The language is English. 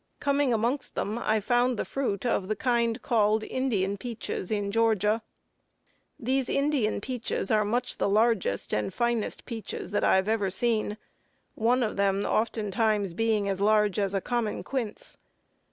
Coming amongst them, I found the fruit of the kind called Indian peaches in Georgia. These Indian peaches are much the largest and finest peaches that I have ever seen, one of them oftentimes being as large as a common quince.